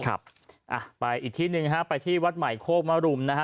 ครับอ่ะไปอีกที่หนึ่งฮะไปที่วัดใหม่โคกมรุมนะฮะ